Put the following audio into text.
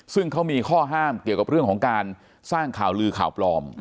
ซึ่งเขามีข้อห้ามเกี่ยวกับเรื่องของการสร้างข่าวลือข่าวปลอม